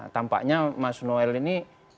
tampaknya mas noel ini